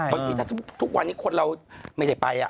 บางทีถ้าสมมุติทุกวันนี้คนเราไม่ได้ไป